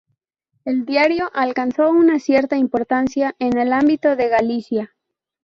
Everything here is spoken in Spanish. El diario alcanzó una cierta importancia en el ámbito de Galicia.